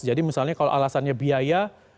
jadi misalnya kalau alasannya biaya